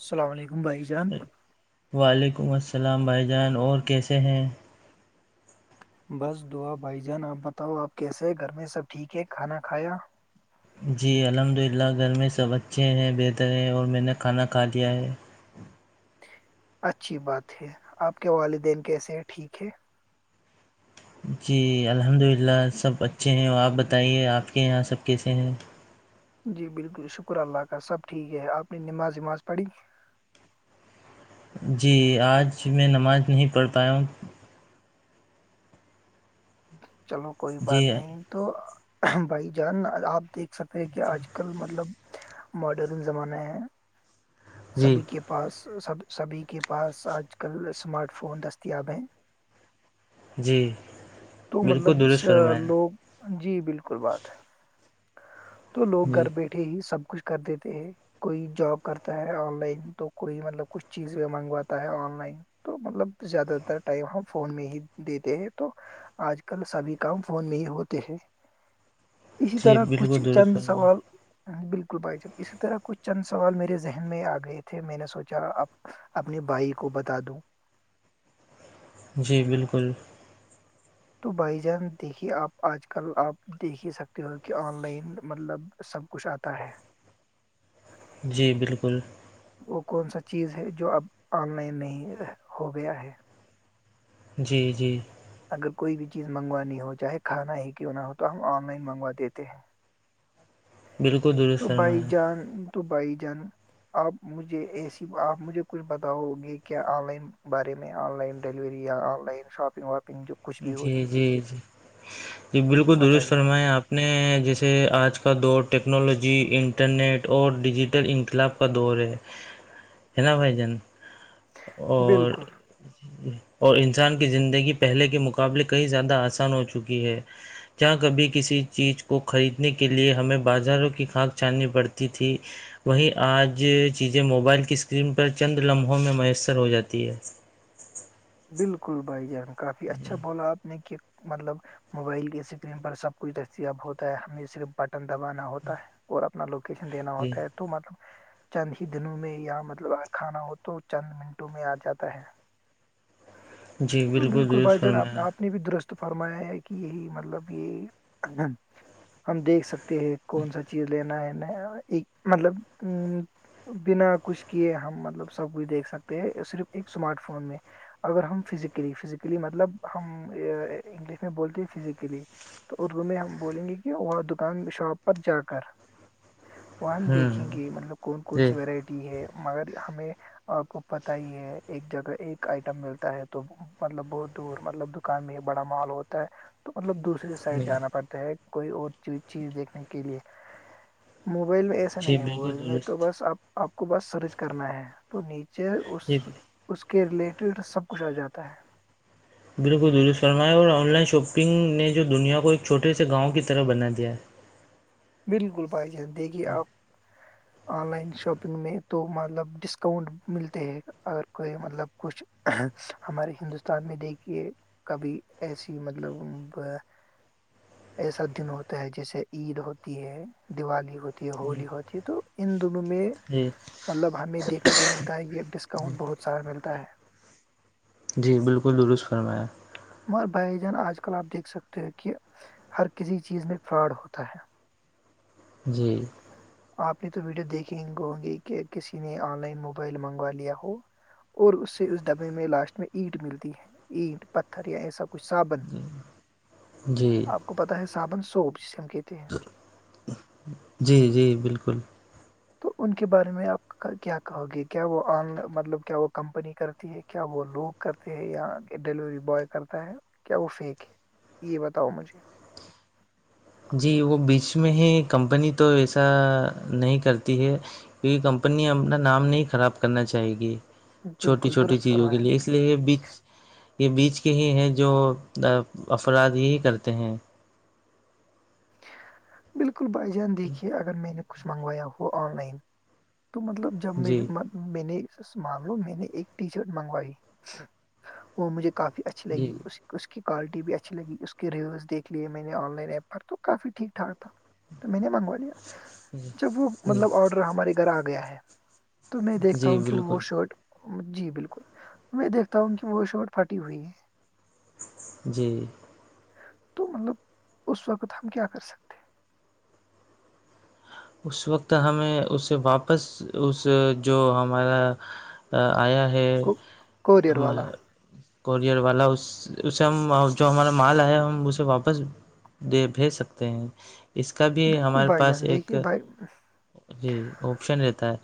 السلام علیکم بھائی جان وعلیکم السلام بھائی جان اور کیسے ہیں بس دعا بھائی جان آپ بتاؤ آپ کیسے ہیں گھر میں سب ٹھیک ہے کھانا کھایا جی الحمد للہ گھر میں سب اچھے ہیں بہتر ہیں اور میں نے کھانا کھا لیا ہے اچھی بات ہے آپ کے والدین کیسے ہیں ٹھیک ہے جی الحمد للہ سب اچھے ہیں آپ بتائیے آپ کے یہاں سب کیسے ہیں جی بالکل شکر اللہ کا سب ٹھیک ہے آپ نے نماز وماز پڑھی جی آج میں نماز نہیں پڑھ پایا ہوں چلو کوئی جی بات نہیں تو بھائی جان آپ دیک سکتے کہ آج کل مطلب ماڈرن زمانے ہیں جی سبھی کے پاس سب سبھی کے پاس آج کل اسمارٹ فون دستیاب ہیں جی تو مطلب بالکل درست فرمایا لوگ جی بالکل بات تو لوگ جی گھر بیٹھے سب کچھ کر دیتے ہیں کوئی جاب کرتا ہے آن لائن تو کوئی مطلب کچھ چیز منگواتا ہے آن لائن تو مطلب زیادہ تر ٹائم ہم فون میں ہی دیتے ہیں تو آج کل سبھی کام فون میں ہی ہوتے ہیں اسی جی طرح کچھ بالکل درست چند سوال فرمایا بالکل بھائی جب اسی طرح کچھ چند سوال میرے ذہن میں آ گئے تھے میں نے سوچا آپ اپنے بھائی کو بتا دوں جی بالکل تو بھائی جان دیکھیے آپ آج کل آپ دیکھ ہی سکتے ہو کہ آن لائن مطلب سب کچھ آتا ہے جی بالکل وہ کون سا چیز ہے جو اب آن لائن نہیں ہو گیا ہے جی جی اگر کوئی بھی چیز منگوانی ہو چاہے کھانا ہی کیوں نہ ہو تو ہم آن لائن منگوا دیتے ہیں بالکل تو درست بھائی فرمایا جان تو بھائی جان آپ مجھے اے سی آپ مجھے کچھ بتاؤ گے کیا آن لائن بارے میں آن لائن ڈیلیوری یا آن لائن شاپنگ واپنگ جو کچھ بھی جی ہوتی ہے جی جی جی تو بالکل درست بتائیے فرمائیں آپ نے جیسے آج کا دور ٹیکنالوجی انٹرنیٹ اور ڈیجیٹل انقلاب کا دور ہے ہے نا بھائی جان اور بالکل اور انسان کی زندگی پہلے کے مقابلے کہئی زیادہ آسان ہو چکی ہے جہ کبھی کسی چیز کو خریدنے کے لیے ہمیں بازاروں کی کاناک چھاننی پڑتی تھی وہی آج چیزیں موبائل کی اسکرین پر چند لمحوں میں میسر ہو جاتی ہے بالکل بھائی جان کافی اچھا بولا آپ نے کہ مطلب موبائل کے اسکرین پر سب کچھ دستیاب ہوتا ہے ہمیں صرف بٹن دبانا ہوتا ہے اور اپنا لوکیشن دینا جی ہوتا ہے تو مطلب چند ہی دنوں میں یا مطلب کھانا ہو تو چند منٹوں میں آ جاتا ہے جی تو بالکل بھائی درست جانپ فرمایا آپ نے بھی درست فرمایا ہے کہ یہی مطلب یہ ہم دیکھ سکتے ہیں کون سا چیز لینا ہے ایک مطلب بنا کچھ کیے ہم مطلب سب کچھ دیکھ سکتے ہیں صرف ایک اسمارٹ فون میں اگر ہم فزیکلی فزیکلی مطلب ہم انگلش میں بولتے ہیں فزیکلی تو اردو میں ہم بولیں گے کہ وہ دکان شاپ پر جا کر وہاں ہم دیکھیں ہوں گے مطلب کون کون جی سی ورائٹی ہے مگر ہمیں آ کو پت ہی ہے ایک جگہ ایک آئٹم ملتا ہے تو مطلب بہت دور مطلب دکان میں ایک بڑا مال ہوتا ہے تو مطلب دوسرے سائڈ جی جانا پڑتا ہے کوئی اور چیز دیکھنے کے لیے موبائل میں ایس ایا جی نہیں ہے وہ بالکل میں تو درست بس اپ آپ کو بس سرچ کرنا ہے تو نیچے اس جی اس کے ریلیٹڈ سب کچھا جاتا ہے بالکل درست فرماائے اور آن لائن شاپنگ نے جو دنیا کو ایک چھوٹے سے گاؤں کی طرح بنا دیا ہے بالکل بھائی جان دیکھیے آپ آن لائن شاپنگ میں تو مطلب ڈسکاؤنٹ ملتے ہیں اگر کوئی مطلب کچھ ہمارے ہندوستان میں دیکھیے کبھی ایسی مطلب ایسا دن ہوتا ہے جیسے عید ہو ہوتی ہے دیوالی ہوتی ہے ہولی ہوتی ہے تو ان دونوں میں جی مطلب ہمیں دیکھنے کو ملتا ہے یہ ڈسکاؤنٹ بہت سارا ملتا ہے جی بالکل درست فرمایا مگر بائی جان آج کل آپ دیکھ سکتے ہو کہ ہر کسی چیز میں فراڈ ہوتا ہے جی آپ نے تو ویڈیو دیکھی کہ گی کہ کسی نے آن لائن موبائل منگوا لیا ہو اور اس سے اس ڈبے میں لاسٹ میں اینٹ ملتی ہے اینٹ پتھر یا یہ سب کچھ سابن جی آپ کو پتا ہے سابن سوپ جسے ہم کہتے ہیں جی جی بالکل تو ان کے بارے میں آپ کیا کہو گے کیا وہ آن مطلب کیا وہ کمپنی کرتی ہے کیا وہ لوگ کرتے ہیں یا ڈیلیوری بوائے کرتا ہے کیا وہ فیک ہے یہ بتاؤ مجھے جی وہ بیچ میں ہی کمپنی تو ایسا نہیں کرتی ہے کیونکہ کمپنی اپنا نام نہیں خراب کرنا چاہی گی چھوٹی بالکل چھوٹی درست چیزوں کے فرمایا لیے اس لیے یہ بیچ یہ بیچ کے ہی ہیں جو افراد یہی کرتے ہیں بالکل بھائی جان دیکھیے اگر میں نے کچھ منگوایا ہوا آن لائن تو مطلب جمیر جی میں نے معاملوں میں نے ایک ٹی شرٹ منگوائی وہ مجھے کافی اچ اچ جی لگی اس کی اس کی کوالٹی بھی اچھی لگی اس کی رویوز دیکھ لیے میں نے آن لائن ایپ پر تو کافی ٹھیک ٹھاک تھا تو میں نے منگوا لیا جب وہ جی مطلب آڈر ہمارے گھر آ گیا ہے تو میں دیکھتا جی ہوں کہ وہ بالکل شرٹ جی بالکل میں دیکھتا ہوں کہ وہ شرٹ پھٹی ہوئی ہے جی تو مطلب اس وقت ہم کیا کر سکتے ہیں؟ اس وقت ہمیں اسے واپس اس جو ہمارا آیا ہے کو کوریئر ہم والا کورئر والا اس اسے ہم جو ہمارا مال آیا ہم اسے واپس بھیج سکتے ہیں اس کا بھی بالکل ہمارے بھائی پاس جان ایک دیکھیے بھائی جی آپشن رہتا ہے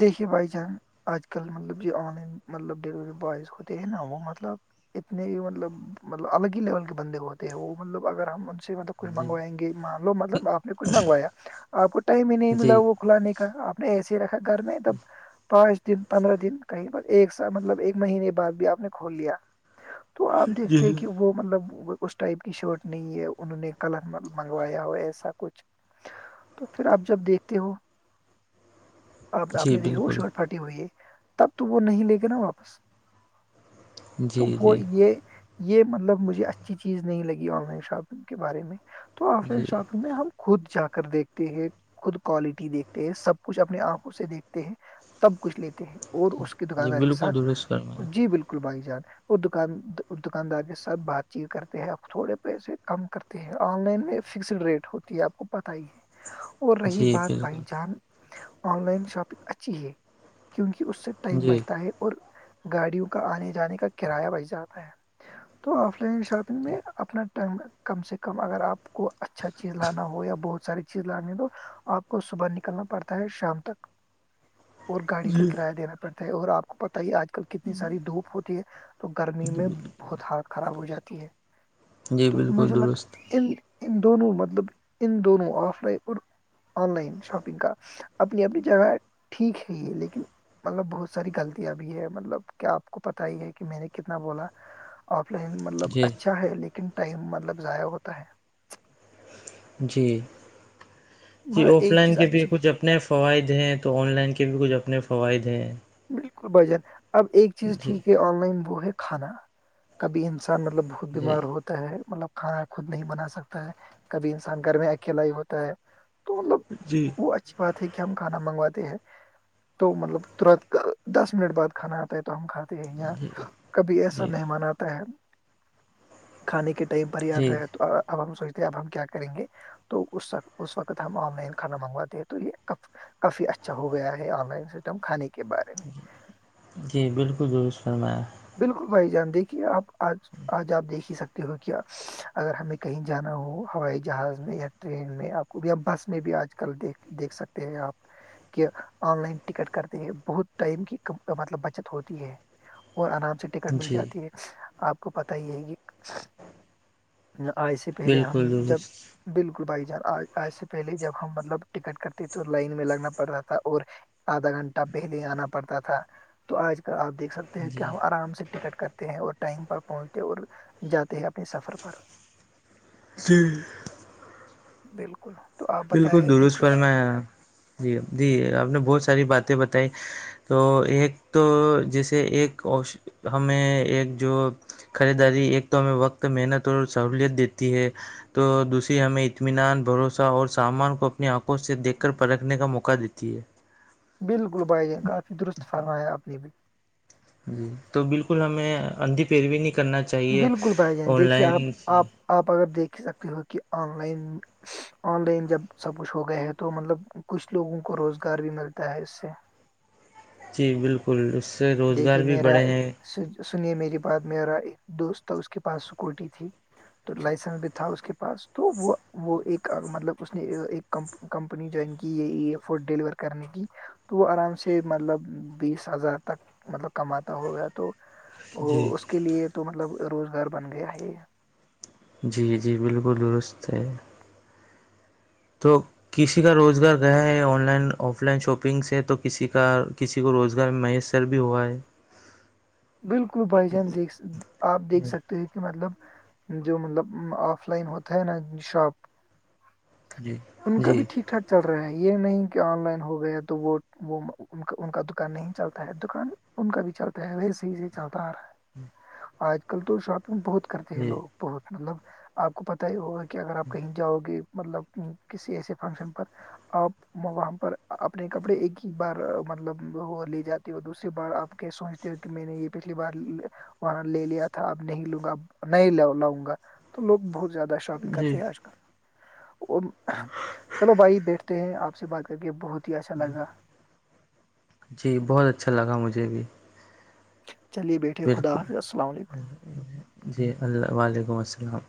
دیکھے بھائی جان آج کل مطلب جو آن لائن مطلب ڈیلیوری بوائز ہوتے ہیں نا وہ مطلب اتنے ہی مطلب مطلب الگ ہی لیول کے بندے کو ہوتے ہیں وہ مطلب اگر ہم مطلب کچھ ہے جی منگوائیں گے مان لو مطلب آپ نے کچھ منگوایا آپ کو ٹائم ہی نہیں ملا جی وہ کھلا نہیں کا آپ نے ای س ہی رکھا گھر میں تب پانچ دن پندرہ دن کہیں پر ایک سا مطلب ایک مہینے بعد بھی آپ نے کھول لیا تو آپ دیکھتے ہیں کہ وہ مطلب اس ٹائپ کی شرٹ نہیں ہے انہوں نے کلر منگوایا ہو ایسا کچھ تو پھر آپ جب دیکھتے ہو آپ آپ جی نے دیکھا وہ بالکل شکٹ پھٹی ہوئی ہے تب تو وہ نہیں لے کے نا واپس جی تو وہ جی یہ یہ مطلب مجھے اچھی چیز نہیں لگی آن لائن شاپنگ کے بارے میں تو آف لائن جی شاپنگ میں ہم خود جا کر دیکھتے ہیں خود کوالٹی دیکھتے ہیں سب کچھ اپنے آپ اسے دیکھتے ہیں تب کچھ لیتے ہیں اور اس کے جی دکاندار کے بالکل ساتھ درست فرمایا جی بالکل کلبائی جان وہان دکاندار کے ساتھ بات چیت کرتے ہیں تھوڑے پیسے کم کرتے آن لائن میں فکسڈ ریٹ ہوتی ہے آپ کو پت ہی ہے اور رہی جی بات بالکل بھائی جان آن لائن شاپنگ اچھی ہے کیونکہ اس سے ٹائم جی بچتا ہے اور گاڑیوں کا آنے جانے کا کرایہ بس جاتا ہے تو آف لائن شاپنگ میں اپنا ٹائم کم سے کم اگر آپ کو اچھا چیز لانا ہو یا بہت ساری چیز لانی ہو آپ کو صبح نکلنا پڑتا ہے شام تک اور گاڑی کا کرایہ دینا پڑتا ہے اور آپ کو پت ہی آج کل کتنی ساری دھوپ ہوتی ہے تو گرمی میں بہت ہالط خراب ہو جاتی ہے جی تو بالکل مجھے درست لگل ان دونوں مطلب ان دونوں آف لائن اور آن لائن شاپنگ کا اپنی اپنی جگہ ٹھیک ہے یہ لیکن مطلب بہت ساری غلطیاں بھی ہے مطلب کیا آپ کو پتا ہی ہے کہ میں نے کتنا بولا آف لائن مطلب جی اچھا ہے لیکن ٹائم مطلب ضائع ہوتا ہے جی جی مگر آف ایک لائن چیز کے بھی اچھی کچھ اپنے فوائد ہیں تو آن لائن کے بھی کچھ اپنے فوائد ہیں بالکل بھجن اب ایک چیز جی ٹھیک ہے آن لائن وہ ہے کھانا کبھی انسان مطلب خود جی بیمار ہوتا ہے مطلب کھانا خود نہیں بنا سکتا ہے کبھی انسان گھر میں اکیلا ہی ہوتا ہے تو مطلب جی وہ اچھی بات ہے کہ ہم کھانا منگواتے ہیں تو مطلب ترت دس منٹ بعد کھانا آتا ہے تو ہم کھاتے ہیں جی یہاں کبھی ایسا جی مہمان آتا کھانے کے ٹائم پر ہی آتا جی ہے تو اب ہم سوچتے ہیں اب ہم کیا کریں گے تو اس اس وقت ہم آن لائن کھانا منگواتے ہیں تو یہ کافی اچھا ہو گیا ہے آن لائن سسٹم کھانے کے بارے میں جی بالکل رس فرمایا بالکل بھائی جان دیکھیے آپ آج آج آپ دیکھ ہی سکتے ہو کیا اگر ہمیں کہیں جانا ہو ہوائی جہاز میں یا ٹرین میں آپ کو بھی بس میں بھی آج کل دیک دیکھ سکتے ہیں آپ کہ آن لائن ٹکٹ کرتے ہیں بہت ٹائم کی مطلب بچت ہوتی ہے اور آرام سے ٹکٹ مل جی جاتی ہے آپ کو پت ہی ہے کہ آئے سے پہلے ہم بالکل جب درست بالکل بھائی جان آج سے پہلے جب ہم مطلب ٹکٹ کرتےے تو لائن میں لگنا پڑ رہا تھا اور آدھا گھنٹہ پہلے آنا پڑتا تھا تو آج کل آپ دیکھ سکتے ہیں کہ جی ہم آرام سے ٹکٹ کرتے ہیں اور ٹائم پر پہنچتے اور جاتے ہیں اپنے سفر پر جی بالکل تو آپ بالکل بتائیں گے درست پر کچھ میں جی جی آپ نے بہت ساری باتیں بتائی تو ایک تو جیسے ایک ہمیں ایک جو خریداری ایک تو ہمیں وقت محنت اور سہولت دیتی ہے تو دوسری ہمیں اطمینان بھروسہ اور سامان کو اپنی آنکھوں سے دیکھ کر پرکھنے کا موقع دیتی ہے بالکل بھائی جان کافی درست فرو ہے اپنی بھی جی تو بالکل ہمیں اندھی پیروی نہیں کرنا چاہیے بالکل بائی جائیں آن دیکھیے آپ لائن آپ آپ اگر دیکھ سکتے ہو کہ آن لائن آن لائن جب سب کچھ ہو گئے ہے تو مطلب کچھ لوگوں کو روزگار بھی ملتا ہے اس سے جی بالکل اس سے روزگار بھی بڑھے ہیں س سنیے میری بات میرا ایک دوست تھا اس کے پاس اسکوٹی تھی تو لائسنس بھی تھا اس کے پاس تو وہ وہ ایک مطلب اس نے ایک کمپنی جوائن کی یہ فوڈ ڈیلیور کرنے کی تو وہ آرام سے مطلب بیس ہزار تک مطلب کماتا ہوگیا تو وہ جی اس کے لیے تو مطلب روزگار بن گیا ہے یہ جی جی بالکل درست ہے تو کسی کا روزگار گیا ہے online offline shopping سے تو کسی کا کسی کو روزگار میں محس ر بھی ہوا ہے بالکل بھائی جان دیکھ س آپ دیکھ سکتے ہیں کہ مطلب جو مطلب آف لائن ہوتا ہے نا شاپ جی ان کا بھی جی ٹھیک ٹھاک چل رہا ہے یہ نہیں کہ آن لائن ہو گیا تو وہ وہ کا ان کا دکان نہیں چلتا ہے دکان ان کا بھی چرتا ہے وی صحیح سے چلتا آ رہا ہے آج کل تو سات بہت کرتے ہیں جی لوگ بہت مطلب آپ کو پتہ ہی ہوگا کہ اگر آپ کہیں جاؤ گے مطلب کسی ایسے فنگشن پر ا وہاں پر اپنے کپڑے ایک ہی بار مطلب وہ لے جاتا اور دوسری بار آپ کیا سوچتے ہو کہ میں نے یہ پچھلی بار وہاں لے لیا تھا اب نہیں لوں گا ا نہیں لاؤں گا تو لوگ بہت زیادہ شاپنگ جی کرتےے آج کل چلو بھائی بیٹھتے ہیں آپ سے بات کر کے بہت ہی اچھا لگا جی بہت اچھا لگا مجھے بھی چلیے بیٹھے خدا بالکل حافظسل علیکم جی اللہ وعلیکم السلام